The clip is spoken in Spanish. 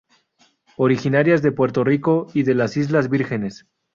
Originarias de Puerto Rico y de las Islas Vírgenes.